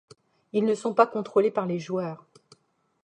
Ils ne sont pas contrôlés par les joueurs.